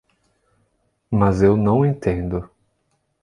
Mas eu não entendo.